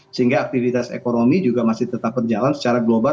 sehingga aktivitas ekonomi juga masih tetap berjalan secara global